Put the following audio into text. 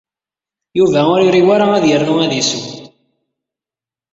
Yuba ur iri ara ad yernu ad isew.